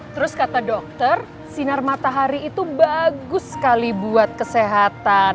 terus kata dokter sinar matahari itu bagus sekali buat kesehatan